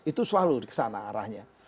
itu selalu kesana arahnya